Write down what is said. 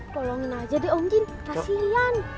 tolongin aja deh om jin kasian